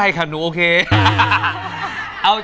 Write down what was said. อียมขอบคุณครับ